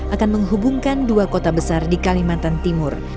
akan menghubungkan dua kota besar di kalimantan timur